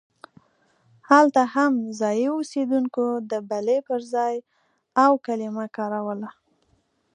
هلته هم ځایي اوسېدونکو د بلې پر ځای اوو کلمه کاروله.